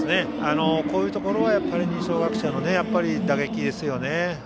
こういうところは二松学舎の打撃ですよね。